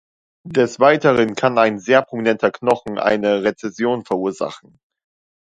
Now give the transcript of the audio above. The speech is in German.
Des Weiteren kann ein sehr prominenter Knochen eine Rezession verursachen.